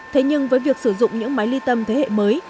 thế nhưng với việc sử dụng những máy ly tâm thế hệ mới